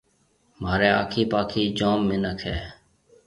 مهاريَ آکي پاکي جوم مِنک هيَ۔